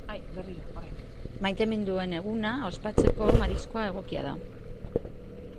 Maiteminduen eguna ospatzeko mariskoa egokia da.